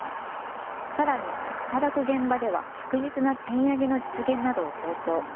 さらに、働く現場では、着実な賃上げの実現などを強調。